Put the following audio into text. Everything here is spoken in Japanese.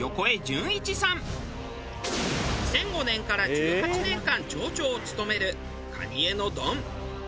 ２００５年から１８年間町長を務める蟹江のドン。